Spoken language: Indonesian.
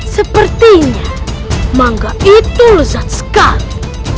sepertinya mangga itu lezat sekali